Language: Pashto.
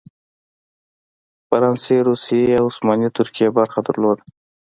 فرانسې، روسیې او عثماني ترکیې برخه درلوده.